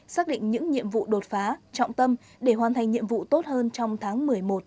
xác định những nhiệm vụ đột phá trọng tâm để hoàn thành nhiệm vụ tốt hơn trong tháng một mươi một một mươi hai